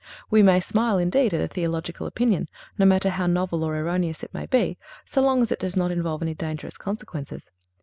We may smile indeed at a theological opinion, no matter how novel or erroneous it may be, so long as it does not involve any dangerous consequences.